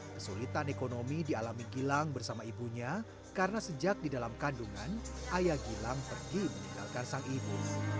kesulitan ekonomi dialami gilang bersama ibunya karena sejak di dalam kandungan ayah gilang pergi meninggalkan sang ibu